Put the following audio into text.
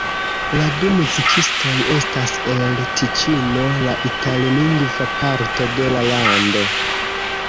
La du muzikistoj estas el Tiĉino, la itallingva parto de la lando.